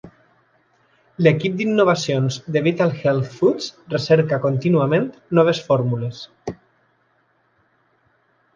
L'equip d'innovacions de Vital Health Foods recerca contínuament noves fórmules.